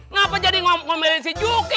ngapain jadi ngomelin si juki